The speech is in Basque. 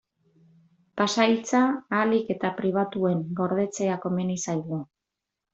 Pasahitza ahalik eta pribatuen gordetzea komeni zaigu.